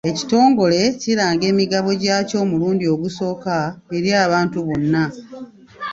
Ekitongole kiranga emigabo gyaakyo omulundi ogusooka eri abantu bonna.